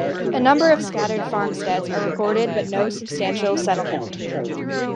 A number of scattered farmsteads are recorded but no substantial settlement.